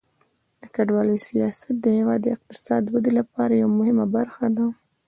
د کډوالۍ سیاست د هیواد د اقتصادي ودې لپاره یوه مهمه برخه ده.